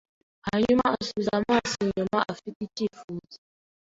Hanyuma asubiza amaso inyuma afite icyifuzo